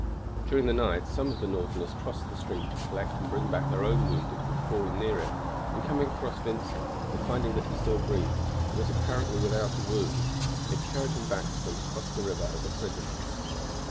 During the night some of the Northerners crossed the stream to collect and bring back their own wounded who had fallen near it, and coming across Vincent, and finding that he still breathed, and was apparently without a wound, they carried him back with them across the river as a prisoner.